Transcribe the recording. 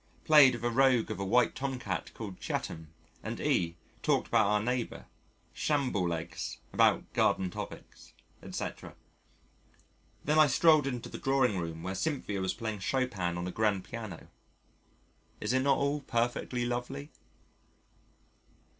played with a rogue of a white Tomcat called Chatham, and E talked about our neighbour, "Shamble legs," about garden topics, etc. Then I strolled into the drawing room where Cynthia was playing Chopin on a grand piano. Is it not all perfectly lovely?